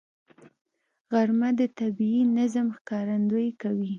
غرمه د طبیعي نظم ښکارندویي کوي